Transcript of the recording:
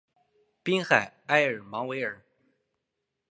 滨海埃尔芒维尔。